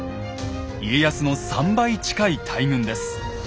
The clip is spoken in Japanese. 家康の３倍近い大軍です。